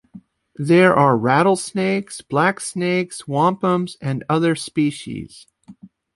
There are rattle-snakes, black snakes, wampums, and other species.